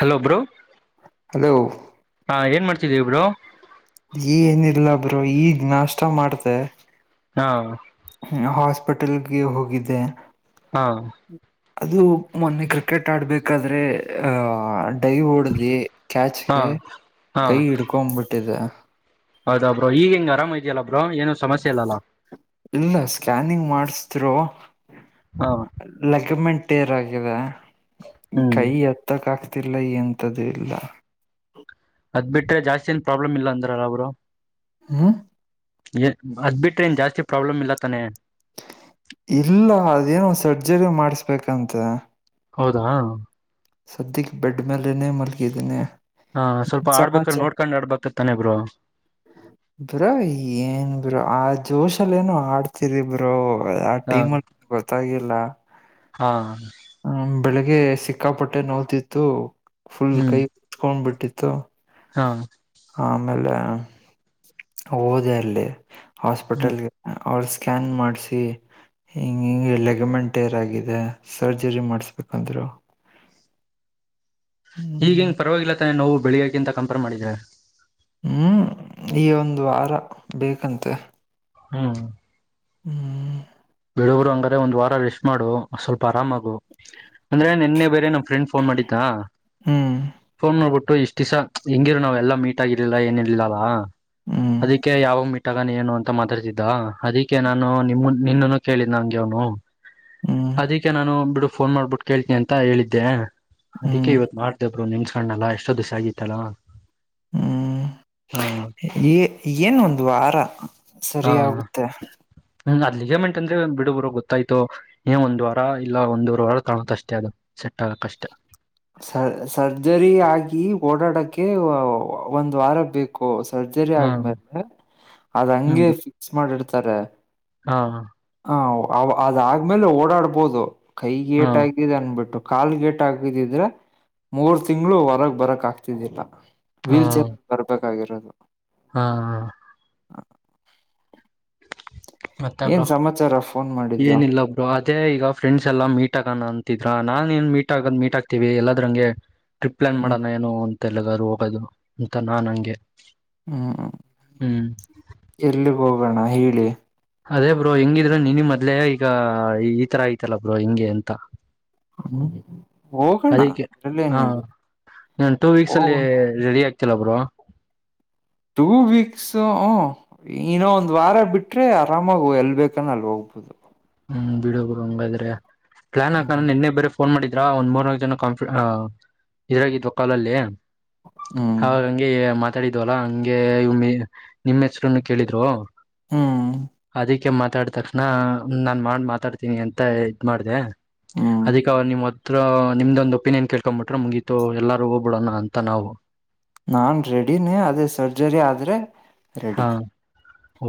Hello bro hello ಹಾ ಏನು ಮಾಡ್ತಿದ್ದೀವಿ ಬ್ರೋ ಈ ಏನಿಲ್ಲ ಬ್ರು ಈಗ್ ನಾಷ್ಟ ಮಾಡ್ತೆ ಹಾ ಹಾಸ್ಪಿಟಲ್ಗೆ ಹೋಗಿದ್ದೆ ಹಾ ಅದು ಮೊನ್ನೆ ಕ್ರಿಕೆಟ್ ಆಡ್ಬೇಕಾದ್ರೆ ಆಹ ಡೈ ಹೋಡ್ದಿ ಹಾ ಕ್ಯಾಚ್ಗೆ ಹಾ ಕೈ ಹಿಡ್ಕೊಂಬಿಟ್ಟಿದೆ. ಹೌದಾ ಬ್ರೋ ಈಗ ಹೆಂಗ ಆರಾಮ್ ಇದೆಯ ಅಲ್ಲ ಬ್ರೋ ಏನು ಸಮಸ್ಯೆ ಇಲ್ಲಾ ಅಲಾ ಇಲ್ಲ ಸ್ಕ್ಯಾನಿಂಗ್ ಮಾಡ್ಸದ್ರು. ಹಾ ಲೆಗಮೆಂಟ್ ಏರ್ ಆಗಿದೆ ಹ್ಮ್ ಕೈ ಎ ತ್ತಕ್ಕ ಆಗ್ತಿಲ್ಲ ಎಂಥದ್ದು ಇಲ್ಲಾ ಅದ್ ಬಿಟ್ರೆ ಜಾಸ್ತಿ ಏನ್ ಪ್ರಾಬ್ಲಮ್ ಇಲ್ಲ ಅಂದ್ರಲ್ಲ ಬ್ರೊ ಹಾ ಎಂ ಅದ್ ಬಿಟ್ರ ಏನ್ ಜಾಸ್ತಿ ಪ್ರಾಬ್ಲಮ್ ಇಲ್ಲ ತಾನೆ ಇಲ್ಲ ಅದೇನು ಸರ್ಜರಿ ಮಾಡಿಸ್ಬೇಕಂತೆ ಹೌದಾ ಸದ್ಯಕ್ಕೆ ಬೆಡ್ ಮೇಲೇ ಮಲಗಿದ್ದೀನಿ ಹಾ ಸ್ವಲ್ಪ ಆಡ್ಬೇಕ್ರ ಸಮಾಚಾರ ನೋಡ್ಕೊಂಡ್ ಆಡ್ಬೇಕ ತಾನೆ ಇ ಬ್ರೋ ಬ್ರೋ ಏನ್ ಬ್ರೋ ಆ ಜೋಶಲ್ಲ ಏನು ಆಡ್ತ ಚಿರಿಬ್ರೋ ಆ ಹಾ ಟೈಮಲ್ಲಿ ಗೊತ್ತಾಗಿಲ್ಲ ಹಾ ಹ್ಮ ಬೆಳಿಗ್ಗೆ ಸಿಕ್ಕಾಪಟ್ಟೆ ನೋಯಿತಿತ್ತು ಫುಲ್ ಹ್ಮ್ ಕೈ ಹುತಕೋಂಡ್ ಬಿಟ್ಟಿತ್ತು ಹಾ ಆಮೇಲೆ ಹೋದೆ ಅಲ್ಲಿ ಹ್ಮ್ ಹಾಸ್ಪಿಟಲ್ಗೆ ಅವ್ರು ಸ್ಕ್ಯಾನ್ ಮಾಡಸಿ ಹಿಂಗ ಹಿಂಗ ಲೆಗಮೆಂಟೇರ್ ಆಗಿದೆ ಸರ್ಜರಿ ಮಾಡಿಸ್ಬೇಕಂದ್ರು ಈಗ ಹ್ಮ್, ಏನ್ ಪರವಾಗಿಲ್ಲ ತಾನೆ ನೋವು ಬೆಳಿಗ್ಕಿಂತ ಕಂಪೇರ್ ಮಾಡಿದ್ರೆ ಹ್ಮ್ ಈ ಒಂದು ವಾರ ಬೇಕಂತೆ ಹ್ಮ್ ಹ್ಮ ಬಿಡು ಬಿಡು ಹಂಗಾರೆ ಒಂದ್ ವಾರ ರೆಸ್ಟ್ ಮಾಡು ಸ್ವಲ್ಪ ಆರಾಮಾಗು. ಅಂದ್ರೆ ನಿನ್ನೆ ಬೇರೆ ನಮ್ ಫ್ರೆಂಡ್ ಫೋನ್ ಮಾಡಿದ್ದಾ ಹ್ಮ್, ಫೋನ್ ಮಾಡ್ಬಿಟ್ಟು ಇಷ್ಟ ದಿಸ ಹೆಂಗಿರು ನಾವ್ ಎಲ್ಲ ಮೀಟ್ ಆಗಿರ್ಲಾ ಏನಿರ್ಲಲ್ಲಾ ಹ್ಮ್, ಅದಿಕ್ಕೆ ಯಾವಾಗ ಮಿಟ್ಟಾಗ ನೀ ಏನು ಅಂತ ಮಾತಾಡ್ತಿದ್ದ ಅದಿಕ್ಕೆ ನಾನು ನಿಮ್ಮ ನಿನ್ನನ್ನು ಕೇಳಿದ್ ನಂಗೆ ಅವನು ಹ್ಮ್, ಅದಕ್ಕೆ ನಾನು ಬಿಡು ಫೋನ್ ಮಾಡ್ಬಿಟ್ಟು ಕೇಳ್ತೀನಿ ಅಂತ ಹೇಳಿದ್ದೆ ಅದಕ್ಕೆ ಹ್ಮ್. ಇವತ್ ಮಾಡ್ದೆ ಬ್ರು ನೆನಸ್ ಕಂಣಲ್ಲ ಎಷ್ಟೋ ದಿವಸ ಆಗಿತ್ತಲ್ಲ ಹ್ಮ್ ಹ ಎ ಏನ್ ಒಂದು ವಾರ ಹಾ ಸರಿ ಆಗುತ್ತೆ ಹ್ಮ ಅದಲಿಗೆಮೆಂಟ್ ಅಂದ್ರೆ ಬಿಡುಬಿಡು ಗೊತ್ತಾಯ್ತು ಏ ಒಂದ್ ವಾರ ಇಲ್ಲ ಒಂದೂವರ ವಾರ ಕಾಣುತ್ತ ಅಷ್ಟೇ ಅದು ಸೆಟ್ ಆಗಕ್ ಅಷ್ಟೆ. ಸರ್ ಸರ್ಜರಿ ಆಗಿ ಓಡಾಡಕ್ಕೆ ಒಂದ್ ವಾರ ಬೇಕು. ಹೋ ಸರ್ಜರಿ ಹಾ ಆದ್ಮೇಲೆ ಅದ್ ಹ್ಮ್ ಹಂಗೆ ಫಿಕ್ಸ್ ಮಾಡಿಡ್ತಾರೆ ಹಾ ಹ ಅದಾದ್ಮೇಲೆ ಓಡಾಡ್ಬೋದು ಹಾ ಕೈಗೇಟಾಗಿ ಅನ್ಬಿಟ್ಟು ಕಾಲ್ ಗೇಟ್ ಆಗಿದ್ದಿದ್ದರೆ ಮೂರ್ ತಿಂಗಳು ಹೊರಗ್ ಬರಕ್ ಆಗ್ತಿದ್ದಿಲ್ಲ ಹಾ ವೀಲ್ ಚೇರ್ ಅಲ್ಲಿ ಬರ್ಬೇಕಾಗಿರೋದು ಹಾ ಮತ್ತೆ ಬ್ರೊ ಏನ್ ಸಮಾಚಾರ ಫೋನ್ ಮಾಡಿದ್ದು ಏನಿಲ್ಲ ಅದೇ ಈಗ ಫ್ರೆಂಡ್ಸ್ ಎಲ್ಲ ಮೀಟ್ ಆಗಣ ಅಂತಿದ್ರ ನಾನ್ ಏನ್ ಮೀಟ್ ಆಗದ್ ಮೀಟ್ ಆಕ್ತೀವಿ ಎಲ್ಲದ್ರಂಗೆ ಟ್ರಿಪ್ ಪ್ಲಾನ್ ಹ್ಮ್ ಮಾಡೋಣ ಏನೋ ಅಂತೆಲ್ಲಗಾರು ಹೋಗೋದು ಅಂತ ನಾನ್ ಹಂಗೆ ಹ್ಮ್ ಹ್ಮ್ ಎಲ್ಲಿ ಹೋಗೋಣ ಹೇಳಿ. ಅದೇ ಬ್ರೋ ಹೆಂಗಿದ್ರರು ನಿನ ಮೊದ್ಲೇ ಈಗ ಈ ತರ ಐತಲ್ಲ ಬ್ರೋ ಹೆಂಗೆ ಅಂತ ಹ್ಮ್ ಹೋಗೋಣ ಅದಿಕ್ಕೆ ಹಾ ಅದ್ರಲ್ಲೇನಿದೆ ನನ್ ಟೂ ವೀಕ್ಸ್ ಹೋಗ ಅಲ್ಲಿ ರೆಡಿ ಆಗ್ತಿಲ್ಲ ಬ್ರೋ ಟೂ ವೀಕ್ಸ್ ಹು ಇನೋ ಒಂದ್ ವಾರ ಬಿಟ್ರೆ ಆರಾಮಾಗ ಎಲ್ ಬೇಕಾನ ಅಲ್ಲಿ ಹೋಗ್ಬಹುದು. ಹ್ಮ್ ಬಿಡು ಬ್ರೊ ಹಂಗಾದ್ರೆ ಪ್ಲಾನ್ ಹಾಕಣ ಹ್ಮ್ ನಿನ್ನೆ ಬೇರೆ ಫೋನ್ ಮಾಡಿದ್ರಾ ಒಂದ್ ಮೂರ್ನಾಾಲ್ಕು ಜನ ಕಂಫ ಇದ್ರಾಗಿದ್ವು ಕಾಲಲ್ಲಿ ಹ್ಮ್ ಹಂಗೆ ಮಾತಾಡಿದ್ವಲ್ಲಾ ಹಂಗೆ ನಿಮ್ಮ್ ಹೆಸರುನ್ನು ಕೇಳಿದ್ರು ಹ್ಮ್ ಅದಕ್ಕೆ ಮಾತಾಡ ತಕ್ಷಣ ನಾನ್ ಮಾಡ್ ಮಾತಾಡ್ತೀನಿ ಅಂತ ಇದ್ ಮಾಡ್ದ ಹ್ಮ್ ಅದ ನಿಮ್ಮ ಹತ್ರ ನಿಮ್ದೊಂದು ಒಪಿನಿಯನ್ ಕೇಳ್ಕೊಂಡ್ಂಬಿಟ್ರೆ ಮುಗೀತು ಎಲ್ಲಾರು ಹೋಗ್ಡೋಣ ಅಂತ ನಾವು ನಾನು ರೆಡಿನೇ ಅದೇ ಸರ್ಜರಿ ಆದರೆ ಹಾ ರೆಡಿ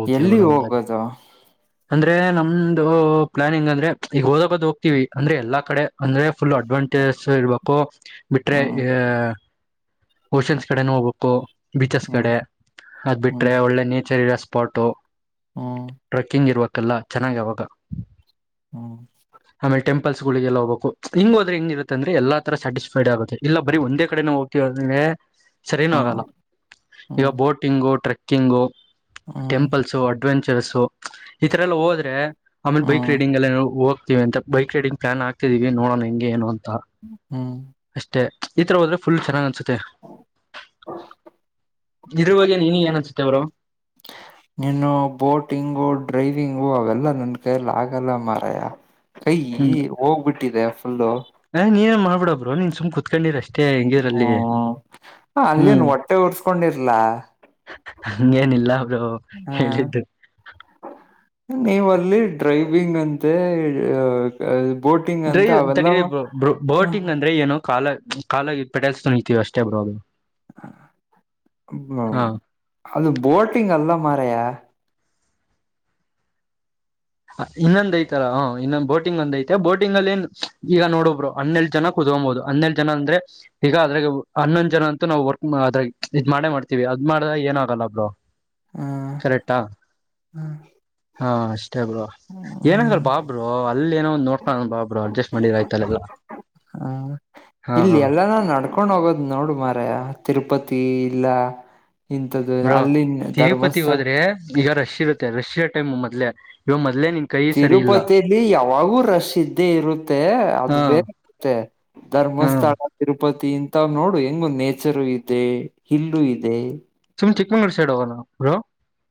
ಓಕೆ ಎಲ್ಲಿ ಬ್ರೋ ಹಂಗಾದ್ರೆ ಹೋಗದ ಅಂದ್ರೆ ನಮ್ದ ಪ್ಲಾನಿಂಗ್ ಅಂದ್ರೆ ಈಗ ಹೋದಕದ ಹೋಗ್ತಿೀವಿ ಅಂದ್ರೆ ಎಲ್ಲಾ ಕಡೆ ಅಂದ್ರೆ ಫುಲ್ ಅಡ್ವಾಂಟೇಜ ಇರ್ಬೇಕು ಬಿಟ್ರೆ ಹ್ಮ್ ಓಷನ್ಸ್ ಕಡೆನ ಹೋಗ್ಬೇಕು ಬೀಚಸ್ ಹ್ಮ್ ಕಡೆ ಅದ್ ಹ್ಮ್ ಬಿಟ್ರೆ ಒಳ್ಳೆ ನೇಚರ್ ಇರ ಪಟು ಹಾ ಕಿಂಗ್ ಇರಬೇಕಲ್ಲ ಚೆನ್ನಾಗಿ ಆಬಕು ಹ್ಮ ಆಮೇಲ್ ಟೆಂಪಲ್ಸ್ಗಳಿಗೆಲ್ಲ ಹೋಗಬೇಕು ಹಿಂಗ ಹೋದ್ರೆಂಗರುತ್ತ ಅಂದ್ರೆ ಎಲ್ಲ ತರ ಸ್ಯಾಟಿಸ್ಫೈಡ್ ಆಗುತ್ತ ಇಲ್ಲ ಬರೀ ಒಂದೇ ಕಡೆನೆ ಹೋ [unintelligible] ಸರಿನೂ ಆಗಲ್ಲ ಹ್ಮ್ ಈಗ ಹ್ಮ್ ಬೋಟಿಂಗು ಟ್ರೆಕ್ಕಿಂಗು ಹ್ಮ್ ಟೆಂಪಲ್ಸು ಅಡ್ ಅಡ್ವೆಂಚರ್ಸ್ಈ ತರ ಎಲ್ಲ ಹೋದ್ರೆ ಆಮೇಲೆ ಬೈಕ್ ಹ್ಮ್ ರೈಡಿಂಗ್ ಎಲ್ಲ ಹೋಗ್ತೀವಿ ಅಂತ ಬೈಕ್ ರೈಡಿಂಗ್ ಪ್ಲಾನ್ ಆಕ್ತಿದೀವಿ ನೋಣ ಹೆಂಗೆ ಏನು ಅಂತ ಹ್ಮ್ ಅಷ್ಟೇ ಈ ತರ ಹೋದ್ರೆ ಫುಲ್ ಚನ್ನಾಗಿ ಅನ್ಸುತ್ತೆ ಇದ್ರ ಬಗ್ಗೆ ನೀನ ಏನಸುತ್ತೆ ಅವರು ನೀನು ಬೋಟಿಂಗು ಡ್ರೈವಿಂಗು ಅವೆಲ್ಲಾ ನನ್ನ ಕೈಯಲ್ಲಿ ಆಗಲ್ಲ ಮರಯ ಕೈಯೀ ಹೋಗ್ಬಿಟ್ಟಿದೆ ಫುಲ್ಲು. ಹ ನೀ ಮಾಡಬಡ ಬ್ರೊ ನೀನ್ಸುಮ್ ಕು ಕುತ್ಕಂಡಿರಷ್ಟೇ ಹೆಂಗಿರಲ್ಲಿ ಹ್ಮ ಹ ಅಲ್ಲೇನ್ ಹ್ಮ್. ಹೊಟ್ಟೆ ಉರ್ಸ್ಕೊಂಡಿರ್ಲಾ ಹಂಗೇನಿಲ್ಲ ಬ್ರೊ. ಹಾ ನೀವ ಅಲ್ಲಿ ಡ್ರೈವಿಂಗ್ ಅಂತೆ ಆ ಬೋಟಿಂಗ್ ಅಂತ ಡ್ರೈವ್ ಅವೆಲ್ಲ ತಡಿರಿ ಬ್ರೊ ಬೊ ಹ ಬೋಟಿಂಗ್ ಅಂದ್ರೆ ಏನು ಕಾಲ ಕಾಲಲಿ ಪೆಟಲ್ಸ ತುಳಿತಿವಷ್ಟೇ ಬ್ರೊ. ಅ ಮ ಹಾ ಅದು ಬೋಟಿಂಗ್ ಅಲ್ಲ ಮಾರಯಾ. ಇನ್ನೊಂದ್ ಐತಾಲಾ ಹೂ ಇನ್ನೊಂದ್ ಬೋಟಿಂಗ್ ಒಂದ ಐತೆ ಬೋಟಿಂಗ್ನಲ್ಲೇನ್ ಈಗ ನೋಡೊ ಬ್ರೊ ಹನ್ನೆಳ್ಡ್ ಜನ ಕತ್ಕೊಂಬೋದು ಹನ್ನೆಳ್ಡ ಜನ ಅಂದ್ರೆ ಈಗ ಅದ್ರಾಗ ಹನ್ನೊಂದ್ ಜನ ಅಂತೂ ನಾವು ವರ್ಕ್ ಅದ ಇದ್ ಮಾಡೇ ಮಾಡ್ತೀವಿ ಅದ್ ಮಾಡ್ದಾಗ ಏನು ಆಗಲ್ಲ ಬ್ರೋ. ಹ್ಮ್ ಕರೆಕ್ಟಾ ಹ್ಮ್ ಹಾ ಅಷ್ಟೇ ಬ್ರೋ. ಏನಾಗಲ್ ಹ್ಮ್ ಬಾ ಬ್ರೊ ಅಲ್ಲಿ ಏನೋ ಒಂದ್ ನೋಡ್ಕೋಳಾನ ಬಾ ಬ್ರೊ ಅಡ್ಜಸ್ಟ್ ಮಾಡಿದ್ರಾಯ್ತಲೆಲ್ಲಾ. ಹಾ ಇಲ್ಲಿ ಎಲ್ಲಾನಾ ನೋಡ್ ಕೊಂಡ್ ಹೋಗೋದ್ ನೋಡು ಮಾರಾಯಾ ತಿರುಪತಿ ಇಲ್ಲ ಇಂಥದ್ದು ಬ್ರೋ ಅಲ್ಲಿ ತಿರುಪತಿ ಧರ್ಮಸ್ಥಳ ಹೋದ್ರೆ ಈಗ ರೆಶ್ ಇರುತ್ತೆ ರೆಶ್ ಇರೊ ಟೈಮ್ ಮದ್ಲೆ ಇವ ಮೊದ್ಲೆ ನಿಂತ ತಿರುಪತಿಯಲಿ ಯಾವಾಗೂ ರಶ್ ಇದ್ದೇ ಇರುತ್ತೆ ಅದು ಹಾ ಬೇರೆ ಇರುತ್ತೆ. ಹಾ ಧರ್ಮಸ್ಥಳ ತಿರುಪತಿ ಇಂತವ್ ನೋಡು ಹೆಂಗು ನೇಚರು ಇದೆ ಹಿಲ್ಲು ಇದೆ. ಸುಮ್ಮ್ ಚಿಕ್ಕ್ಮಂಗಳೂರು ಸೈಡ್ ಓಗನ ಬ್ರೋ.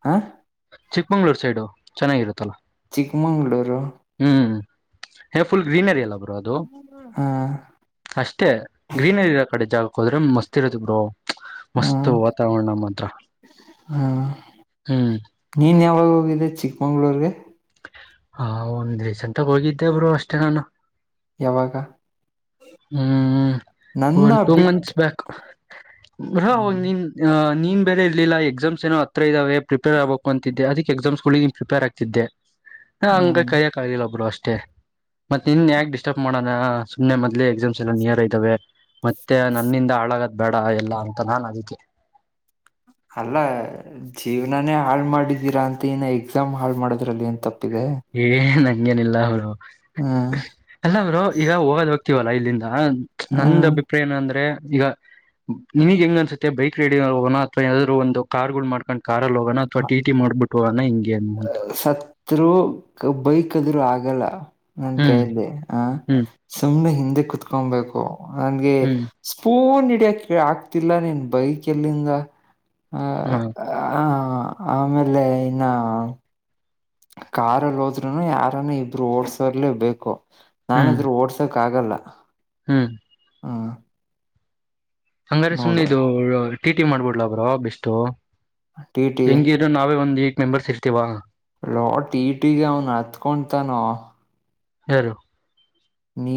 ಹಾ ಚಿಕ್ಕಮಂಗಳೂರು ಸೈಡು ಚೆನ್ನಾಗಿರುತ್ತಲ್ಲ. ಚಿಕ್ಕಮಗ್ಳೂರು. ಹ್ಮ್ ಫುಲ್ ಗ್ರೀನರಿ ಅಲ್ಲ ಬ್ರೋ ಅದು. ಹಾ ಅಷ್ಟೇ ಗ್ರೀನರಿ ಇರ ಕಡೆ ಜಾಗಕ್ಕ್ ಹೋದ್ರೆ ಮಸ್ತ್ ಇರದ ಬ್ರೋ. ಹಾ ಮಸ್ತ್ ವಾತಾವರಣ ಮಾತ್ರ ಹಾ ಹ್ಮ್ ನೀನ್ ಯಾವಾಗ ಹೋಗಿದೆೆ ಚಿಕ್ಮಂಗ್ಳೂರ್ಗೆ. ಹ ಒಂದ್ ರೀಸೆಂಟಾಗ್ ಹೋಗಿದ್ದೆ ಬ್ರೊ ಅಷ್ಟೇ ನಾನು. ಯಾವಾಗ ಹ್ಮ್ ನನ್ನ ಒಂದ್ two bit months back. Bro one ಹ್ಮ್ ನಿಮ್ ಹ ನಿಮ್. ಪ್ರಿಪೇರೆ ಇರ್ಲಿಲ್ಲ ಎಕ್ಸಾಮಸ್ ಏನೋತ್ರ ಇದಾವೆ ಪ್ರಿಪೇರ್ ಆಬೇಕು ಅಂತಿದ್ದ ಅದಕ್ಕೆ ಎಕ್ಸಾಮಸ್ಗಳಿಗೆ ಪ್ರಿಪೇರ್ ಆಗ್ತಿದ್ದೆ. ಹಾ ಹಂಗ ಹ್ಮ್ ಕೈಯಕ ಆಗಿಲ್ಲ ಬ್ರೊ ಅಷ್ಟೇ. ಮತ್ತೆ ಇನ್ ಯಾಕ್ ಡಿಸ್ಟರ್ಬ್ ಮಾಡೋಣ ಸುಮ್ಮನೆ ಮೊದ್ಲೆ ಎಕ್ಸಾಮ್ಸ್ ಎಲ್ಲಾ ನಿಯರ್ ಇದ್ದಾವೆ. ಮತ್ತೆ ನನ್ನಿಂದ ಹಾಳಾಗದ್ ಬೇಡ ಎಲ್ಲಾ ಅಂತ ನಾನ್ ಅದಿಕೆ. ಅಲ್ಲ ಜೀವನಾನೇ ಹಾಳ್ ಮಾಡಿದ್ದೀರಾ ಅಂತೆ ಇನ ಎಕ್ಸಾಮ್ ಹಾಳ್ ಮಾಡದ್ರಲ್ಲಿ ಏನ್ ತಪ್ಪಿದೆ. ಏ ನಂಗೇನಿಲ್ಲ ಅವರು. ಹ್ಮ್ ಅಲ್ಲ ಬ್ರೊ ಈಗ ಹೋಗೋದ್ ಹೋಗ್ತಿವಲ್ಲ ಇಲ್ಲಿಂದ ನಂದ್ ಹ್ಮ್ ಅಭಿಪ್ರಾಯ ಏನ ಅಂದ್ರೆ ಈಗ ನಿಮ್ಗೆ ಹೆಂಗ ಅನ್ಸುತ್ತೆ ಬೈಕ್ ರೈಡಿಂಗ್ ಅಲ್ ಹೋಗೋಣ ಅಥವಾ ಯೇನಾದ್ರು ಒಂದು ಕಾರ್ ಗಳು ಮಾಡ್ಕೊಂಡ ಕಾರಲ್ ಹೋಗೋಣ ಅಥವಾ ಟಿಟಿ ಮಾಡಬಿಟ್ಟ ಹೋಗೋಣ ಹಿಂಗೆಏನು. ಸತ್ರು ಬೈಕದ್ರು ಆಗಲ್ಲ. ನನ್ ಹ್ಮ್ ಕೈಲಿ ಆ ಹ್ಮ್ ಸುಮ್ಮ್ನೆ ಹಿಂದೆ ಕುತ್ಕೊಂಬೇಕು ಅಂಗೇ ಹ್ಮ್ ಸ್ಪೂನ್ ಹಿಡಿಯಕೆ ಆಗ್ತಿಲ್ಲ ನೀನ್ ಬೈಕ್ ಎಲ್ಲಿಂದ ಹ್ಮ ಹಾ ಆಮೇಲೆ ಇನ್ನ ಕಾರಲ್ಲಿ ಹೋದ್ರುನು ಯಾರನ್ನ ಇಬ್ರು ಓಡ್ಸೋರ್ಲೇ ಬೇಕು ನಾನದ್ರರು ಓಡ್ಸ. ಆಗಲ್ಲ. ಹ್ಮ [unintelligible] ಹಂಗಾರೆ ಸುಮ್ನೆ ನೋಡು ಇದು ಟಿ ಟಿ ಮಾಡ್ಬಿಡ್ಲಬ್ರೋ ಬೆಸ್ಟ್ ಟಿ ಟಿ ಹೆಂಗಿದ್ರು ಇ ನಾವೇ ಒಂದ್ ಎಯಿಟ್ ಮೆಂಬರ್ಸ್ ಇರ್ತೀವ. ಲೋ ಟಿ ಟಿ ಗೆ ಅವನು ಹತ್ಕೊತಾನೋ. ಯಾರು. ನೀ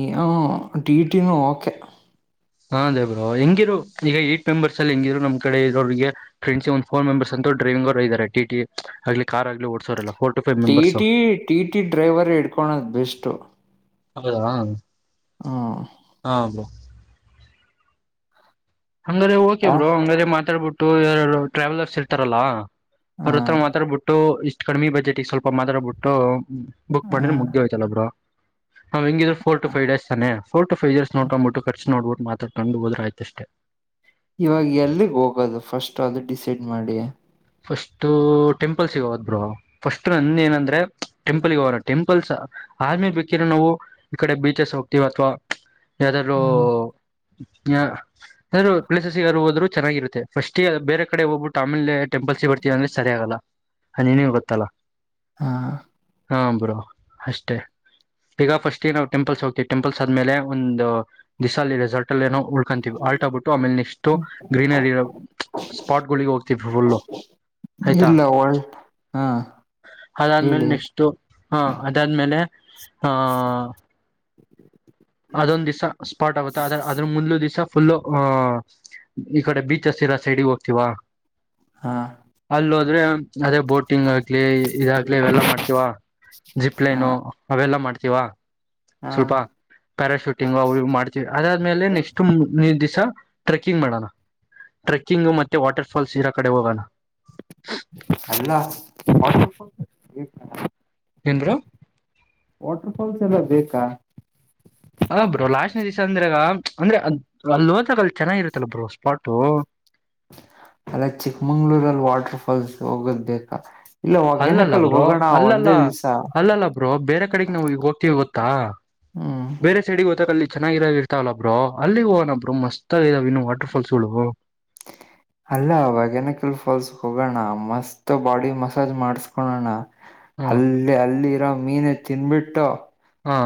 ಟೀ ಟಿ ನು ಓಕೆ ಹಾ ಬ್ರೋ ಹೆಂಗಿರು ಈಗ ಏಟ್ ಮೆಂಬರ್ಸ್ ಅಲ್ಲಿ ಹೆಂಗಿರು ನಮ್ ಕಡೆ ಇರೋರಿಗೆ ಫ್ರೆಂಡ್ ಒಂದು ಫೋ ಮೆಂಬಸ್ ಅಂತು ಡ್ರೈವಿಂಗ್ ಅವ್ರು ಇದ್ದರೆ ಟೀ ಟಿ ಆಗ್ಲಿ ಕಾರ್ ಆಗ್ಲಿ ಹೊಡಿಸೋರೆಲ್ಲ. T T T T driver ಇಡ್ಕೊಳೋದು ಬೆಸ್ಟು. ಹೌದಾ. ಹ ಹಾ ಹಂಗ್ರೆರೇ ಓಕೆ ಬ್ರೋ. ಯಾಕೆ ಹಂಗ್ರೆ ಮಾತಾಡ್ಬಿಟ್ಟು ಯಾರು ಟ್ರಾವೆಲರ್ಸ್ ಇರ್ತಾರಲ್ಲಾ. ಹ ಅವ್ರ ಹತ್ರ ಮಾತಾಡ್ಬಿಟ್ಟು ಇಷ್ಟ್ ಕಡಿಮಿ ಬಜೆಟ್ಗ್ ಸ್ವಲ್ಪ ಮಾತಾಡ್ಬಿಟ್ಟು. ಬುಕ್ ಮಾಡಿದ್ರೆ ಮೂಗಿದೆ ಹ ಹೋಯ್ತಲ್ಲ ಬ್ರೋ ಹೆಂಗಿದ್ರು ಫೋರ್ ಟು ಫೈವ್ ಡೇಸ್ ತಾನೇ. ಫೋರ್ ಟು ಫೈವ್ ಡೇಸ್ ನೋಡ್ಕೊಬಿಟ್ಟು ಖರ್ಚು ನೋಡಿಬಿಟ್ಟು ಮಾತಾಡಿಕೊಂಡು ಹೋದ್ರೆ ಆಯ್ತು. ಇವಾಗ ಎಲ್ಲಿಗೆ ಹೋಗೋದು ಫಸ್ಟ್ ಅದು ಡಿಸೈಡ್ ಮಾಡಿ. ಫಸ್ಟ್ ಟೆಂಪಲ್ಸ್ಗ ಹೋದ್ ಬ್ರೋ ಫಸ್ಟ್ ನಂದ ಏನಂದ್ರೆ ಟೆಂಪಲ್ಗ ಹೋಗೋಣ ಟೆಂಪಲ್ಸ್. ಆಮೇಲೆ ಬೇಕಿರ ನಾವು ಈ ಕಡೆ ಬೀಚಸ್ ಹೋಗ್ತೀವಿ ಅಥವಾ ಯಾವ್ದಾದ್ರು ಹ್ಮ್ ಬೆರೆವು ಪ್ಲೇಸಸ್ಗೆಗಾರರು ಹೋದ್ರು ಚೆನ್ನಾಗಿರುತ್ತೆ ಫಸ್ಟ ಬೇರೆ ಕಡೆ ಹೋಗ್ಬಿಟ್ಟು ಆಮೇಲೆ. ಟೆಂಪಲ್ಸ್ಗ್ ಬರ್ತೀವಿ ಅಂದೆ ಸರಿ ಆಗಲ್ಲ ನೀನೇ ಗೊತ್ತಲ್ಲ. ಹಾ ಹಾ ಬ್ರೋ ಅಷ್ಟೇ. ಈಗ ಫಸ್ಟ್ ನಾವು ಟೆಂಪಲ್ಸ್ ಹೋಗ್ತಿವಿ ಟೆಂಪಲ್ ಆದ್ಮೇಲೆ ಒಂದು ದಿಸ ಅಲ್ಲಿ ರೆಸಲ್ಟ್ ಅ ಏನೋ. ಕಂತೀವಿ ಆಲ್ಟಾಹಾಗಿ ಬಿಟ್ಟು ಆಮೇಲೆ ನೆಕ್ಸ್ಟ್ ಗ್ರೀನರಿ ಸ್ಪಾಟ್ ಗಳಿಗೆ ಹೋಗ್ತೀವಿ ಫುಲ್. ಇಲ್ಲ ಹಾ ಅದಾದ್ಮೇಲೆ ಹೇಳಿ. ನೆಕ್ಸ್ಟ್ ಹಾ ಅದಾದ್ಮೇಲೆ ಆ. ಅದೊಂದ್ ದಿವ್ಸ ಸ್ಪಾಟ್ ಆಗುತ್ತೆ ಅದ್ರ ಅದ್ರ ಮುದ್ಲು ದಿವ್ ಫುಲ್ಲು ಅಹ. ಈ ಕಡೆ ಬೀಚ್ಗಳು ಇರೋ ಸೈಡಈಗೆ ಹೋಗ್ತೀವಾ ಹಾ ಅಲ್ಲಿ ಹೋದ್ರೆ ಅದೇ ಬೋಟ್- ಕಿಂಗ್ ಆಕ್ಲಿ ಇದಾಗಲಿ ಅವೆಲ್ಲಾ ಮಾಡ್ತೀವ ಜಿಪ್ ಹಾ ಲೈನು ಅವೆಲ್ಲಾ ಮಾಡ್ತೀವ ಹಾ ಸ್ವಲ್ಪ ಪ್ಯಾರಾಶೂಟಿಂಗ್ ಹಾ ಅವರು ಮಾಡ್- ಅದಾದ್ಮೇಲೆ ನೆಕ್ಸ್ಟ್ ನಿ ದಿವಸ ಟ್ರೆಕ್ಕಿಂಗ್ ಮಾಡೋಣ- ಟ್ರಕ್ಕಿಂಗ ಮತ್ತೆ ವಾಟರ್ ಫಾಲ್ಸ್ ಇರ ಕಡೆ ಹೋಗೋಣ ಹಾ ಏನ್ ಬ್ರೋ ವಾಟರ್ ಫಾಲ್ಸ್ ಎಲ್ಲ ಬೇಕಾ. ಹ ಬ್ರೋ ಲಾಸ್ಟ್ನ ದಿಸ ಅಂದ್ರೆ ಅ ಅಲ್ಲಿ ಹೋದಾಗ ಅಲ್ಲಿ ಚೆನ್ನಾಗಿರುತ್ತಲ್ಲ ಬ್ರೋ ಸ್ಪಾಟೂ. ಅಲ್ಲ ಚಿಕ್ಕಮಂಗ್ಳೂರಲ್ಲಿ ವಾಟರ್ ಫಾಲ್ಸ್ ಹೋಗಬೇಕಾ. ಇಲ್ಲ ಅಲ್ಲಲ್ಲ ಹೊಗೇನಕಲ್ ಬ್ರೋ ಹೋಗೋಣ ಅಲ್ಲಲ್ಲ ಒಂದೇ ದಿವ್ಸ. ಅಲ್ಲಲ್ಲ ಬ್ರೋ ಬೇರೆ ಕಡೆಗೆ ನಾವು ಈಗ ಹೋಗ್ತೀವಿ ಗೊತ್ತಾ ಹ್ಮ್ ಬೇರೆ ಸೈಡಿ ಗೋತ್ತತ್ತಲ್ಲಿ ಚೆನ್ನಾಗಿರ ಇರ್ತಾವಲ್ಲ ಬ್ರೊ ಅಲ್ಲಿಗೋಗನ ಬ್ರೊ ಮಸ್ತಾಗಿದಾವೆ ಇನ್ನು ವಾಟರ್ಫಾಲ್ಸ್ ಗಳು [inaudible] ಅಲ್ಲ ಹೊಗಿನಿಕಲ್ ಫಾಲ್ಸ್ ಹೋಗೋಣ ಮಸ್ತ್ ಬಾಡಿ ಮಸಾಜ್ ಮಾಡ್ಸ್ಕೊಳಣ ಅಲ್ಲ್ ಅಲ್ಲಿ ಇರೋ ಮೀನೆ ತಿನ್ಬಿಟ್ಟು ಹಾ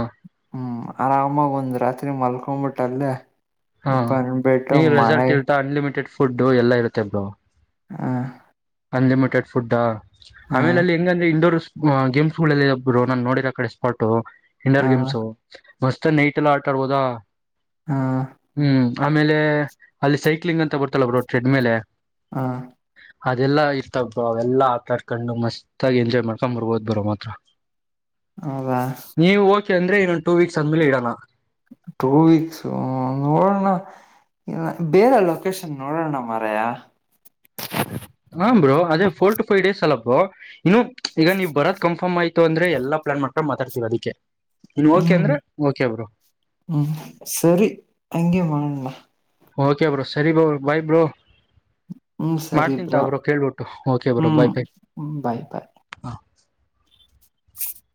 ಹ್ಮು ಆರಾಮಾಗ ಒಂದ್ ರಾತ್ರಿ ಮಲ್ಕೊಂಬಿಟ್ಟಲ್ಲೇ ಹಾ [unintelligible] ದಬಿಟ್ಟು ನೀ ಮನೆ ರೆಸಾರ್ಟ್ ಇರ್ತಾ ಅನ್ಲಿಮಿಟೆಡ್ ಫುಡ್ ಎಲ್ಲ ಇರುತ್ತೆ ಬ್ರೊ ಹ್ಮು ಅನ್ಲಿಮಿಟೆಡ್ ಫುಡ್ಡ ಹ ಆಮೇಲೆ ಅಲ್ಲಿ ಹೆಂಗಂದ್ರೆ ಇಂಡೋರ್ಸು ಗೊ ಗೇಮ್ಸ್ ಗಳಲ್ಲೇ ಬ್ರೊ ನಾನ್ ನೋಡಿರ್ಕಡೆ ಸ್ಪಾಟು ಹ ಇಂಡೋರ್ ಗೇಮ್ಸು ಮಸ್ತ್ ನೈಟೇಲ್ಲ ಆಟಡ್ಬೊದಾ ಹ್ಮು ಹ್ಮು ಆಮೇಲೆ ಅಲ್ಲಿ ಸೈಕ್ಲಿಂಗ್ ಅಂತ ಬರ್ತಲ್ಲ ಟ್ರೆಡ್ ಮೇಲೆ- ಹಾ ಅದೆಲ್ಲ ಇರ್ತವ್ ಬ್ರೊ ಅವೆಲ್ಲ ಆಟಡ್ಕೊಂಡು ಮಸ್ತಾಗಿ ಎಂಜಾಯ್ ಮಾಡ್ಕೊಂಡ್ ಬರ್ಬೋದ್ ಬ್ರೊ ಮಾತ್ರ [unintelligible] [inaudible] ಹೌದಾ ನೀವು ಓಕೆ ಅಂದ್ರೆ ಇನ್ನೊಂದ್ ಟೂ ವೀಕ್ಸ್ ಅಂದ್ಮೇಲೆ ಇಡನ ಟೂ ವೀಕ್ಸು ನೋಡಣ ಎನ ಬೇರೆ ಲೊಕೇಶನ್ ನೋಡೋಣ ಮಾರಯ್ಯ ಹ ಬ್ರೋ ಅದೇ ಫೋರ್ ಟು ಫೈವ್ ಡೇಸ್ ಅಲ್ಲ ಬ್ರೋ ಇನ್ನು ಈಗ ನೀವ್ ಬರದ್ ಕನ್ಫರ್ಮ್ ಆಯ್ತು ಅಂದ್ರೆ ಎಲ್ಲ ಪ್ಲಾನ್ ಮಾಡ್ಕೊಂಡು ಮಾತಾಡ್ತೀವಿ ಅದಕ್ಕೆ ನೀವ್ ಓಕೆ ಅಂದ್ರೆ ಓಕೆ ಬ್ರೋ - ಹ್ಮಿ ಸರಿ ಹಂಗೆ ಮಾಡಣ ಬ ಓಕೆ ಬ್ರೊ ಸರಿ ಬ್ರೊ ಬಾಯ್ ಬ್ರೊ ಹ್ಮ್ ಸರಿ ಮಾಡ್ತಿನ್ ತಾ ಬ್ರೋ ಕೇಳ್ಬಿಟ್ಟು ಓಕೆ ಬ್ರೋ ಬಾಯ್ ಬೆ ಹ್ಮು ಬಾಯ್ ಬಾಯ್ [unintelligible]